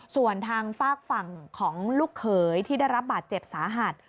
ส่วนทางฝากฝั่งของลูกเขยที่ได้รับบาดเจ็บสาหัส